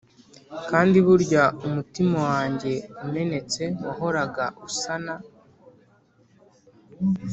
kandi burya umutima wanjye umenetse wahoraga usana